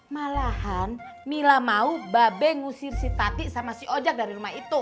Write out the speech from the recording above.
malahan mila mau babe ngusir si tati sama si oja dari rumah itu